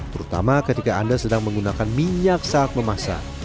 terutama ketika anda sedang menggunakan minyak saat memasak